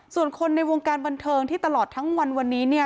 ส่วนคนในวงการบันเทิงที่ตลอดทั้งวันวันนี้เนี่ย